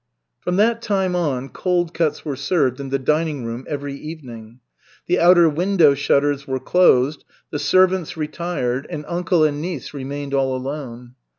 From that time on cold cuts were served in the dining room every evening. The outer window shutters were closed, the servants retired, and uncle and niece remained all alone.